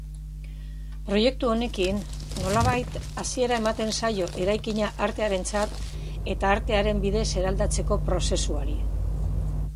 Proiektu honekin nolabait hasiera ematen zaio eraikina artearentzat eta artearen bidez eraldatzeko prozesuari.